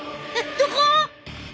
どこ！？